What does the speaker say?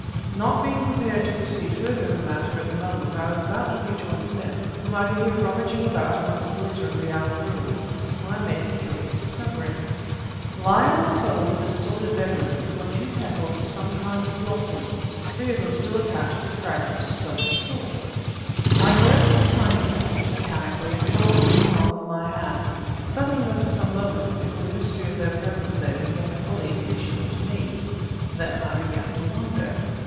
Not being prepared to proceed further in the matter at the moment I was about to rejoin Smith, whom I could hear rummaging about amongst the litter of the outer room, when I made a curious discovery. Lying in a fold of the disordered bed linen were a few petals of some kind of blossom, three of them still attached to a fragment of slender stalk. I collected the tiny petals, mechanically, and held them in the palm of my hand studying them for some moments before the mystery of their presence there became fully appreciable to me. Then I began to wonder.